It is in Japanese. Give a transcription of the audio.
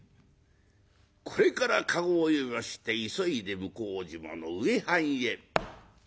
これから駕籠を呼びまして急いで向島の植半へ。